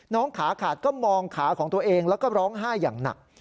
ขาขาดก็มองขาของตัวเองแล้วก็ร้องไห้อย่างหนัก